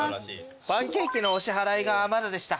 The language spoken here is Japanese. パンケーキのお支払いがまだでした。